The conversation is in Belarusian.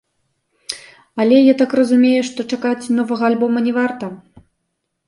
Але, я так разумею, што чакаць новага альбома не варта?